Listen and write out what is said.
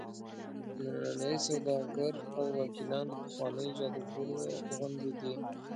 ننني سوداګر او وکیلان د پخوانیو جادوګرو غوندې دي.